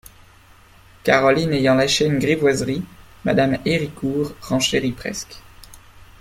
Caroline ayant lâché une grivoiserie, Mme Héricourt renchérit presque.